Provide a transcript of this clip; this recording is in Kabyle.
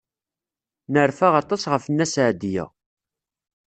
Nerfa aṭas ɣef Nna Seɛdiya.